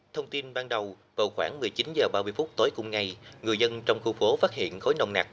thông tin ban đầu vào khoảng một mươi chín h ba mươi phút tối cùng ngày người dân trong khu phố phát hiện khối nồng nặc